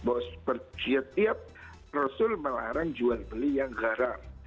bahwa setiap rasul melarang jual beli yang garam